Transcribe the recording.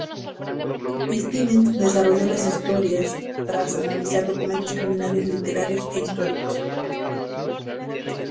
Stevens desarrolló las historias tras analizar documentos criminales, literarios e históricos.